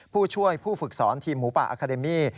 ผู้ช่วยผู้ฝึกสอนทีมหมูป่าอาคาเดมี่